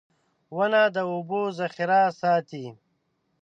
• ونه د اوبو ذخېره ساتي.